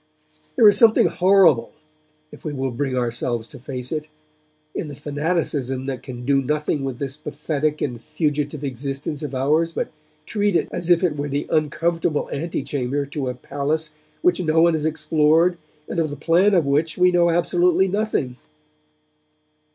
There is something horrible, if we will bring ourselves to face it, in the fanaticism that can do nothing with this pathetic and fugitive existence of ours but treat it as if it were the uncomfortable ante chamber to a palace which no one has explored and of the plan of which we know absolutely nothing.